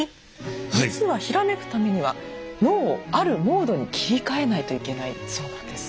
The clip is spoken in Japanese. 実はひらめくためには脳をあるモードに切り替えないといけないそうなんです。